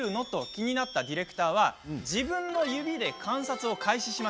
気になったディレクターは自分の指で観察を開始。